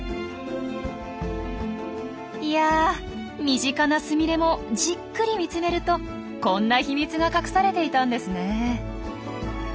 いや身近なスミレもじっくり見つめるとこんな秘密が隠されていたんですねえ。